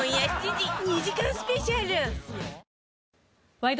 「ワイド！